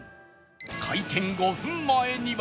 開店５分前には